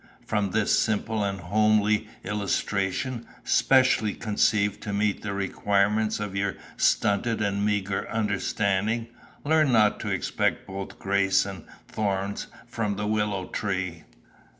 From this simple and homely illustration, specially conceived to meet the requirements of your stunted and meagre understanding, learn not to expect both grace and thorns from the willow tree.